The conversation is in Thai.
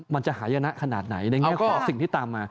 มันจะหายนะขนาดไหนในแง่ของสิ่งที่ตามมา